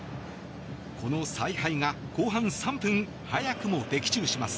この采配が後半３分、早くも的中します。